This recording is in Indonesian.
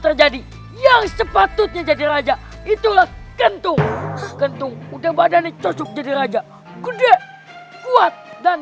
terjadi yang sepatutnya jadi raja itulah kentung kentung udah badan cocok jadi raja kuda kuat dan